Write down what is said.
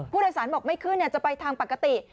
ผู้โดยสารบอกไม่ขึ้นจะไปทางปกติ